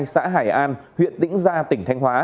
xã hải an huyện tĩnh gia tỉnh thanh hóa